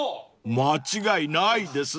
［間違いないですね］